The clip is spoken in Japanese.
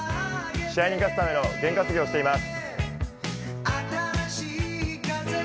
試合に勝つための験担ぎをしています。